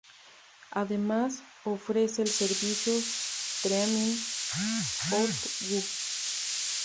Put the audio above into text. Además ofrece el servicio "streaming" Hot Go.